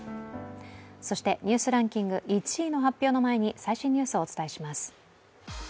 そしてニュースランキング１位の発表の前に最新ニュースをお伝えします。